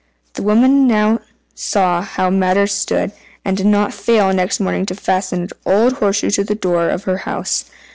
The woman now saw how matters stood, and did not fail next morning to fasten an old horseshoe to the door of her house.